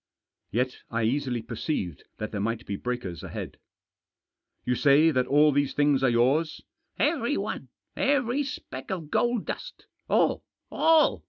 Yet I easily perceived that there might be breakers ahead. " You say that all these things are yours ?"" Every one— every speck of gold dust. All ! all